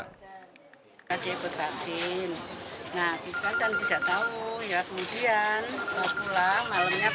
nah kita kan tidak tahu ya kemudian pulang malamnya panas